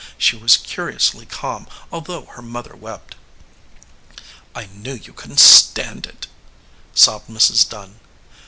She was curiously calm, although her mother wept. "I knew you couldn t stand it," sobbed Mrs. Dunn.